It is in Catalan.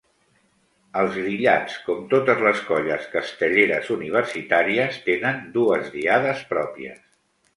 Els Grillats com totes les colles castelleres universitàries tenen dues diades pròpies.